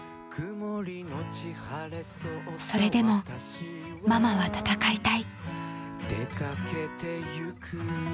それでもママは戦いたい。